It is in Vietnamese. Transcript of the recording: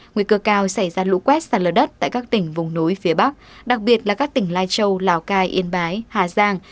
nguy cơ cao xảy ra lũ quét sạt lở đất tại các tỉnh vùng núi phía bắc đặc biệt là các tỉnh lai châu lào cai yên bái hà giang